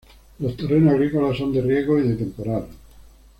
Los terrenos agrícolas son de riego y de temporal.